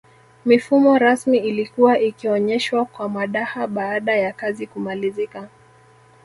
Mifumo rasmi ilikuwa ikionyeshwa kwa madaha baada yakazi kumalizika